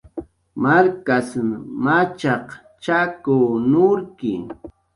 Markasn machaq chakw nurki